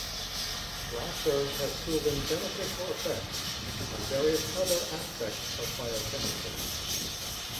Laughter has proven beneficial effects on various other aspects of biochemistry.